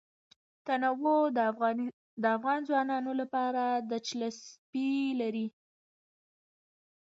تنوع د افغان ځوانانو لپاره دلچسپي لري.